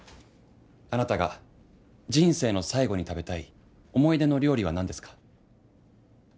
「あなたが人生の最後に食べたい思い出の料理は何ですか？」。